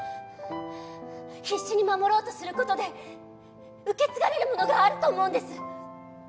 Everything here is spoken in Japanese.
必死に守ろうとすることで受け継がれるものがあると思うんです。